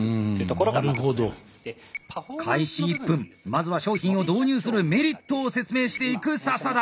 開始１分まずは商品を導入するメリットを説明していく笹田。